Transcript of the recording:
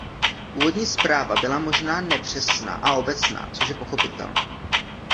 Původní zpráva byla možná nepřesná a obecná, což je pochopitelné.